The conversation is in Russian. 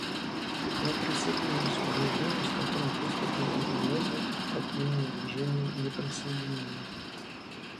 Я присоединяюсь к заявлению, с которым выступила Индонезия от имени Движения неприсоединения.